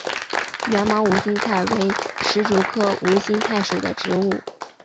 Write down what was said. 缘毛无心菜为石竹科无心菜属的植物。